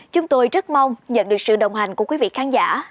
chúng tôi rất mong nhận được sự đồng hành của quý vị khán giả